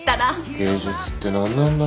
芸術って何なんだろう。